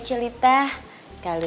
eh apa lu